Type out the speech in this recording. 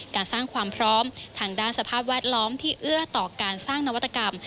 การสร้างความพร้อมทางด้านสภาพแวดล้อมที่เอื้อต่อการสร้างนวัตกรรม